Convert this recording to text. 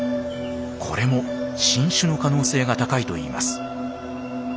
これも新種の可能性が高いといいます。